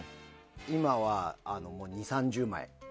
今は、２０３０枚。